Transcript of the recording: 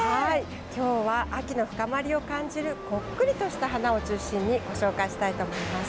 今日は秋の深まりを感じるこっくりとした花を中心にご紹介したいと思います。